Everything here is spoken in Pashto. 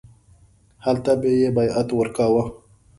هلته به یې بیعت ورکاوه.